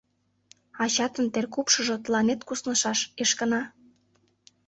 Ачатын теркупшыжо тыланет куснышаш, Эшкына.